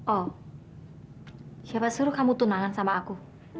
oh ya pak suruh kamu tunangan sama aku